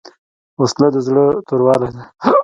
وسله د زړه توروالی دی